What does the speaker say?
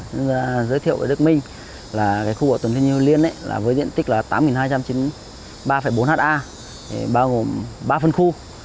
chúng ta giới thiệu với đức minh là khu bảo tồn thiên nhiên hữu liên với diện tích tám hai trăm chín mươi ba bốn ha bao gồm ba phân khu